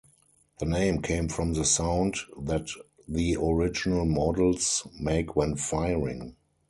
The name came from the sound that the original models make when firing.